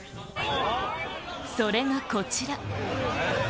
それがこちら。